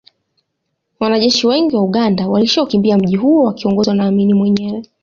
Wanajeshi wengi wa Uganda walishaukimbia mji huo wakiongozwa na Amin mwenyewe